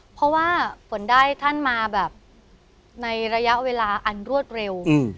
เพราะว่าฝนได้ท่านมาแบบในระยะเวลาอันรวดเร็ว